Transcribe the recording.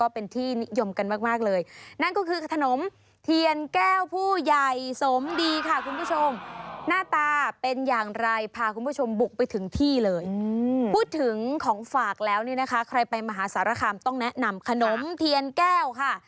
พูดถึงของฝากแล้วนี่นะคะใครไปมหาสารคามต้องแนะนำขนมเทียนแก้วค่ะ